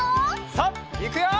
さあいくよ！